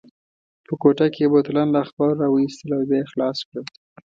په کوټه کې یې بوتلان له اخبارو راوایستل او بیا یې خلاص کړل.